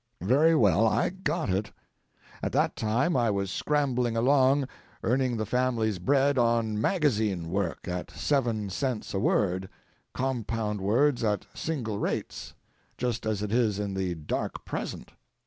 Very well, I got it. At that time I was scrambling along, earning the family's bread on magazine work at seven cents a word, compound words at single rates, just as it is in the dark present.